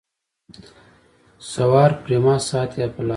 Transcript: سوار پریما ساعت یې په لاس وو.